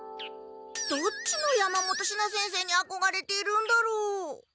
どっちの山本シナ先生にあこがれているんだろう？